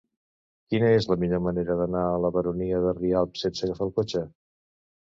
Quina és la millor manera d'anar a la Baronia de Rialb sense agafar el cotxe?